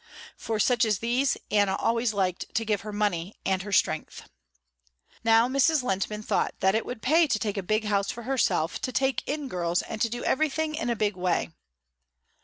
For such as these Anna always liked to give her money and her strength. Now Mrs. Lehntman thought that it would pay to take a big house for herself to take in girls and to do everything in a big way.